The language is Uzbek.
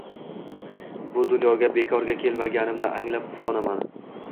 Bu dunyoga bekorga kelmaganimni anglab, quvonaman